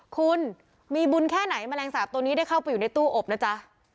คุณมีบุญแค่ไหนแมลงสาปตัวนี้ได้เข้าไปอยู่ในตู้อบนะจ๊ะ